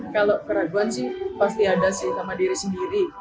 kalau keraguan sih pasti ada sih sama diri sendiri